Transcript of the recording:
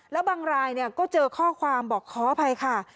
แล้วบางรายก็เจอข้อความบอกขออภัยค่ะ